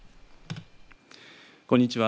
こんにちは。